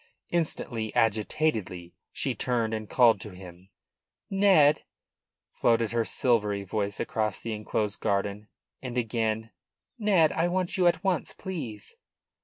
Instantly, agitatedly, she turned and called to him. "Ned!" floated her silvery voice across the enclosed garden. And again: "Ned! I want you at once, please."